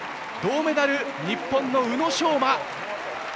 銅メダル、日本の宇野昌磨。